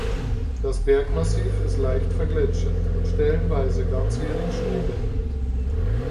Das Bergmassiv ist leicht vergletschert und stellenweise ganzjährig schneebedeckt.